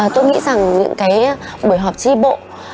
tôi nghĩ rằng những cái buổi họp trí bộ